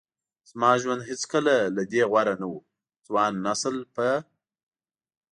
زما ژوند هیڅکله له دې غوره نه و. ځوان نسل په